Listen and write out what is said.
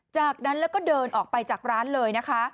จากนั้นแล้วก็เดินออกไปจากร้านเลยนะคะ